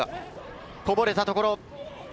こぼれたところ。